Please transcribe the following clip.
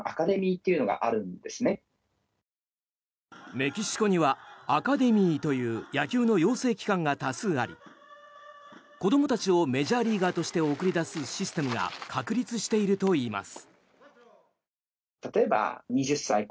メキシコにはアカデミーという野球の養成機関が多数あり子どもたちをメジャーリーガーとして送り出すシステムが確立しているといいます。